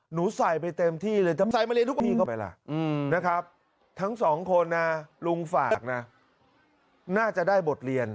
ใส่ไปเต็มที่เลยทำใส่มาเรียนทุกทีเข้าไปล่ะนะครับทั้งสองคนนะลุงฝากนะน่าจะได้บทเรียน